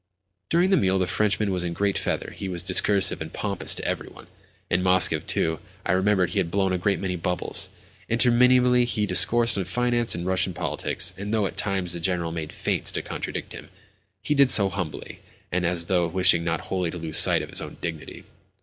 During the meal the Frenchman was in great feather: he was discursive and pompous to every one. In Moscow too, I remembered, he had blown a great many bubbles. Interminably he discoursed on finance and Russian politics, and though, at times, the General made feints to contradict him, he did so humbly, and as though wishing not wholly to lose sight of his own dignity.